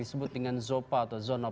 disebut dengan zopa atau zone of